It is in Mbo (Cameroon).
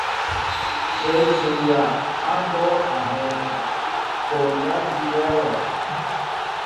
Shéé tuya a ɓɔ ahɛɛ, koondaan biya wɛʼ.